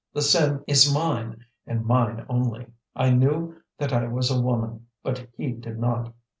The sin is mine, and mine only. I knew that I was a woman, but he did not.